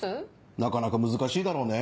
なかなか難しいだろうね。